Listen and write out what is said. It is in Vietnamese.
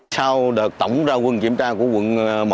sau đợt tổng ra quân kiểm tra của quận một